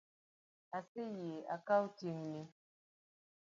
Aseyie akawo ting’ni